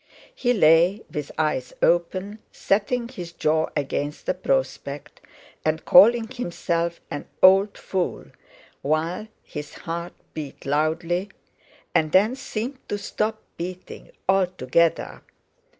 He lay with eyes open, setting his jaw against the prospect, and calling himself an old fool, while his heart beat loudly, and then seemed to stop beating altogether.